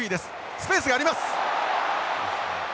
スペースがあります！